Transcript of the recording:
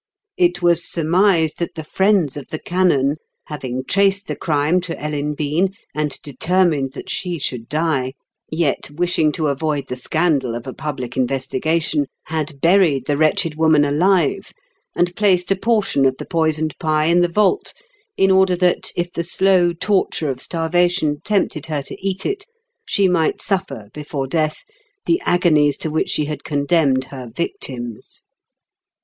It was surmised that the friends of the canon, having traced the crime to Ellen Bean, and determined that she should die, yet wishing to avoid the scandal of a public investigation, had buried the wretched woman alive, and placed a portion of the poisoned pie in the vault, in order that, if the slow torture of starvation tempted her to eat it, she might sufier, before death, the agonies to which she had condenmed her victims.